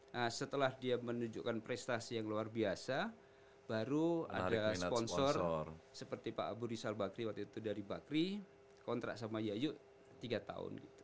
nah setelah dia menunjukkan prestasi yang luar biasa baru ada sponsor seperti pak abu rizal bakri waktu itu dari bakri kontrak sama yayu tiga tahun gitu